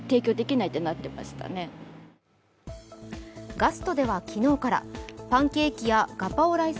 ガストでは昨日からパンケーキやガパオライス